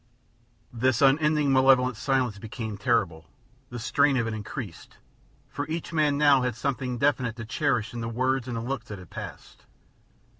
This unending malevolent silence became terrible. The strain of it increased, for each man now had something definite to cherish in the words and the looks that had passed.